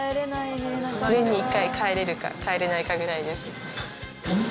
年に１回帰れるか帰れないかくらいです。